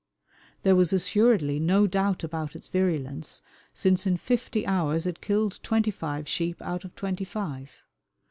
There was assuredly no doubt about its virulence, since in fifty hours it killed twenty five sheep out of twenty five.